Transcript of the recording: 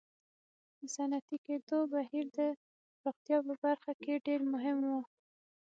د صنعتي کېدو بهیر د پراختیا په برخه کې ډېر مهم و.